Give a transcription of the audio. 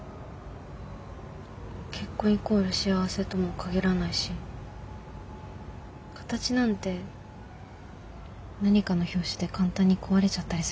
結婚イコール幸せとも限らないし形なんて何かの拍子で簡単に壊れちゃったりするじゃないですか。